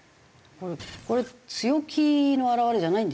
これ強気の表れじゃないんですか？